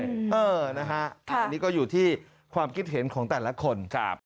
ใช่นะฮะแล้วนี่ก็อยู่ที่ความคิดเห็นของแต่ละคน